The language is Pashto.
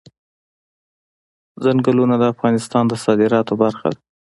چنګلونه د افغانستان د صادراتو برخه ده.